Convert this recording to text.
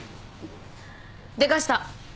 でかした。